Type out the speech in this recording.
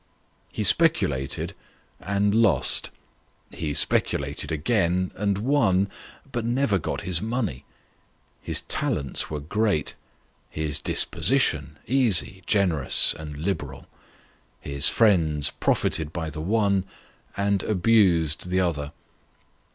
He speculated and lost. He speculated again and won but never got his money. His talents were great ; his disposition, easy, generous, and liberal. His friends profited by the one, and abused the other.